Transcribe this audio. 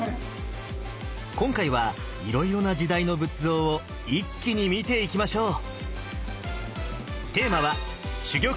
今回はいろいろな時代の仏像を一気に見ていきましょう！